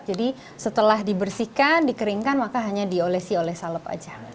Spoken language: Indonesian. jadi setelah dibersihkan dikeringkan maka hanya diolesi oleh salep saja